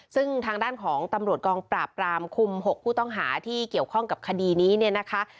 ซึ่งทางด้านของตำรวจกองปราบรามคุม๖ผู้ต้องหาที่เกี่ยวข้องกับคดีนี้เนี่ยนะคะ